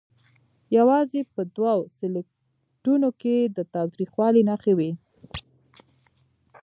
یوازې په دوو سکلیټونو کې د تاوتریخوالي نښې وې.